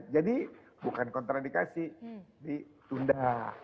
jadi bukan kontradikasi ditunda